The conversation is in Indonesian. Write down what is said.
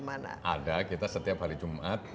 ada kita setiap hari jumat